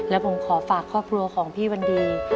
และผมขอฝากครอบครัวของพี่วันดี